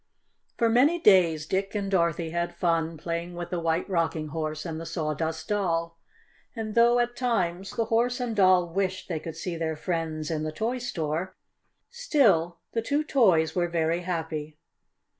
For many days Dick and Dorothy had fun playing with the White Rocking Horse and the Sawdust Doll. And though, at times, the Horse and Doll wished they could see their friends in the toy store, still the two toys were very happy.